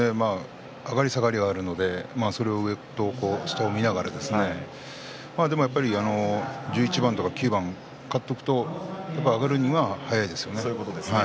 上がり下がりがあるのでそれを上と下を見ながらやっぱり１１番とか９番勝っておくと上がるには早いですよね。